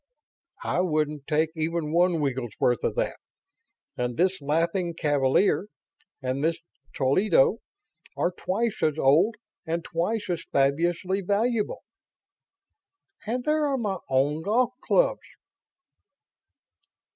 "I wouldn't take even one wiggle's worth of that. And this 'Laughing Cavalier' and this 'Toledo' are twice as old and twice as fabulously valuable." "And there are my own golf clubs...."